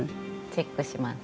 チェックします。